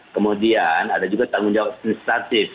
kemudian ada juga tanggung jawab administratif